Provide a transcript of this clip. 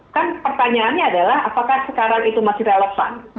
kan pertanyaannya adalah apakah sekarang itu masih relevan